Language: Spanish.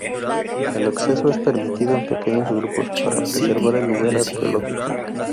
El acceso es permitido en pequeños grupos, para preservar el lugar arqueológico.